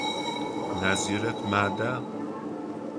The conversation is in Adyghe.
Назирэт мада?